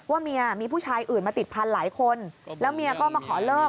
เมียมีผู้ชายอื่นมาติดพันธุ์หลายคนแล้วเมียก็มาขอเลิก